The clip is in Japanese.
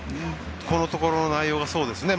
このところの内容はそうですね。